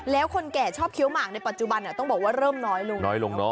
แล้วคนแก่ชอบเคี้ยวหมากในปัจจุบันเนี่ยต้องบอกว่าเริ่มน้อยลง